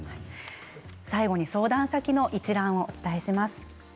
最後に相談先の一覧をお伝えします。